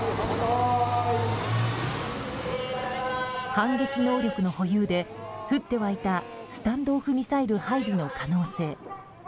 反撃能力の保有で降って湧いたスタンド・オフ・ミサイル配備の可能性。